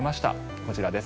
こちらです。